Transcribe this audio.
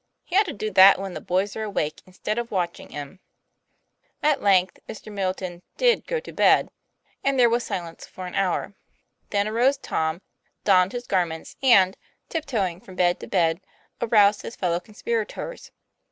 He ought to do that when the boys are awake instead of watching 'em." At length Mr. Middleton did go to bed, and there was silence for an hour. Then arose Tom, donned his garments, and, tiptoeing from bed to bed, aroused his fellow conspirators.